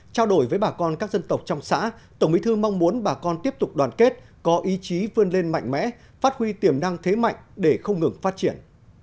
trao đổi với bà con các dân tộc trong xã tổng bí thư mong muốn bà con tiếp tục đoàn kết có ý chí vươn lên mạnh mẽ phát huy tiềm năng thế mạnh để không ngừng phát triển